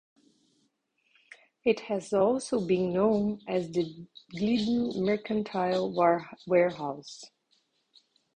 It has also been known as the Glidden Mercantile Warehouse.